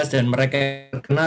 dan mereka yang terkena